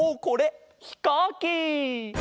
ひこうき！